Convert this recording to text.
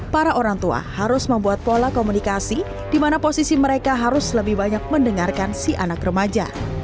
para orang tua harus membuat pola komunikasi di mana posisi mereka harus lebih banyak mendengarkan si anak remaja